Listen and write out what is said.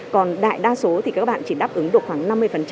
còn đại đa số thì các bạn chỉ đáp ứng được khoảng năm mươi